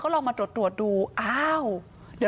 โปรดติดตามต่อไป